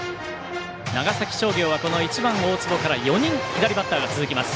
長崎商業は１番、大坪から４人、左バッターが続きます。